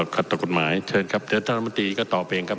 ขัดต่อกฎหมายเชิญครับเดี๋ยวท่านรัฐมนตรีก็ตอบเองครับ